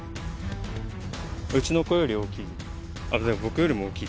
うちの子より大きい。